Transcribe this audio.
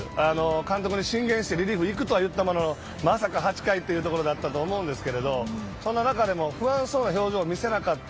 監督に進言してリリーフ行くといったもののまさか８回というところだったと思うんですけどそんな中で不安そうな表情を見せなかった。